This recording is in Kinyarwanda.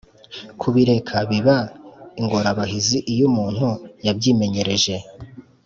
kubireka biba ingorabahizi iyo umuntu yabyimenyereje,